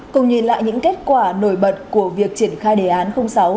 cùng nhìn lại những kết quả nổi bật của việc triển khai đề án sáu